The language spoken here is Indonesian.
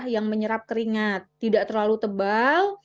yang menyerap keringat tidak terlalu tebal